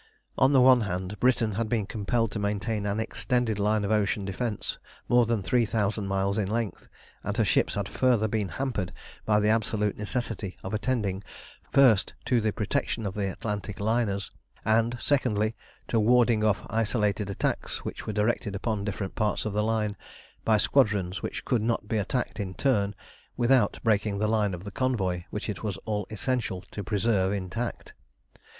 On the one hand, Britain had been compelled to maintain an extended line of ocean defence more than three thousand miles in length, and her ships had further been hampered by the absolute necessity of attending, first, to the protection of the Atlantic liners, and, secondly, to warding off isolated attacks which were directed upon different parts of the line by squadrons which could not be attacked in turn without breaking the line of convoy which it was all essential to preserve intact.